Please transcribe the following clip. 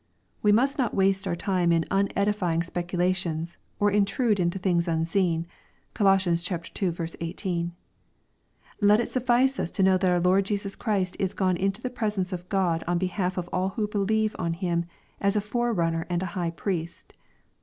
We must not waste our time in unedifying speculations, or ^' intrude into things unseen/' (Col. iL 18.) Let it suffice us to know that our Lord Jesus Christ is gone into the presence of God on behalf of all who believe on Him, as a Fore runner and a High Priest.